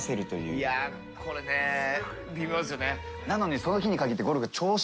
いやこれね微妙ですよね。